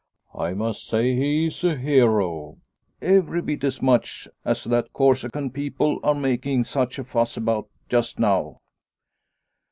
I must say he is a hero, every bit as much as that Corsican people are making such a fuss about just now."